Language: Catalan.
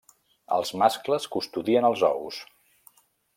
Els mascles custodien els ous.